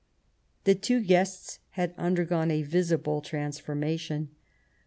The two guests had undergone a visible trans formation.